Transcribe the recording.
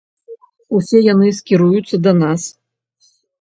Усе яны скіруюцца да нас.